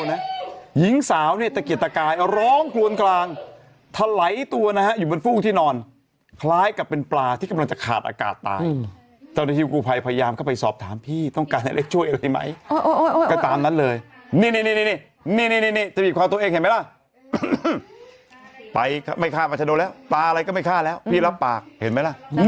เอามาฆ่าเอามาฆ่าเอามาฆ่าเอามาฆ่าเอามาฆ่าเอามาฆ่าเอามาฆ่าเอามาฆ่าเอามาฆ่าเอามาฆ่าเอามาฆ่าเอามาฆ่าเอามาฆ่าเอามาฆ่าเอามาฆ่าเอามาฆ่าเอามาฆ่าเอามาฆ่าเอามาฆ่าเอามาฆ่าเอามาฆ่าเอามาฆ่าเอามาฆ่าเอามาฆ่าเอามาฆ่าเอามาฆ่าเอามาฆ่าเอามาฆ